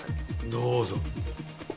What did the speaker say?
どうぞ。